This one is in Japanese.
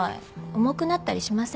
重くなったりしません。